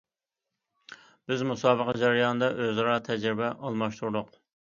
بىز مۇسابىقە جەريانىدا ئۆزئارا تەجرىبە ئالماشتۇردۇق.